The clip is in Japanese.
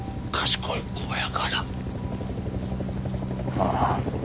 ああ。